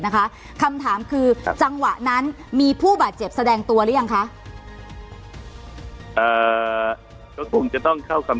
นะคะคำถามคือจังหวะนั้นมีผู้บาดเจ็บแสดงตัวรึยังค่ะ